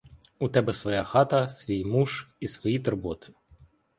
У тебе своя хата, свій муж і свої турботи.